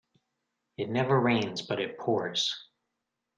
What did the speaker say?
It never rains but it pours.